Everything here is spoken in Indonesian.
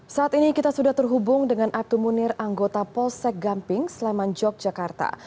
saat ini kita sudah terhubung dengan aibtu munir anggota polsek gamping sleman yogyakarta